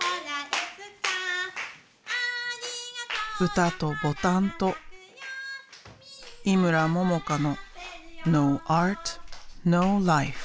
歌とボタンと井村ももかのｎｏａｒｔ，ｎｏｌｉｆｅ。